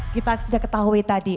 kita sudah ketahui tadi